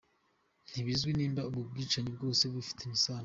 Ntibizwi nimba ubwo bwicanyi bwose bufitaniye isano.